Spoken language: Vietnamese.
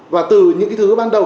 và từ những cái thứ ban đầu